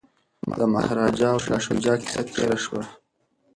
د مهاراجا او شاه شجاع کیسه تیره شوه.